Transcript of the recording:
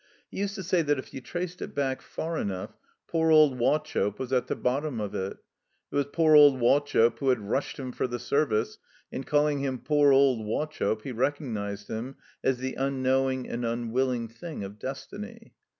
He used to say that if you traced it back far enough, poor old Wauchope was at the bottom of it. It was poor old Wauchope who had "rushed" him for the Service (in calling him poor old Wauchope, he recognized him as the unknowing and unwilling thing of Des tiny).